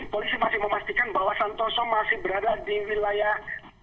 polisi masih memastikan bahwa santoso masih berada di wilayah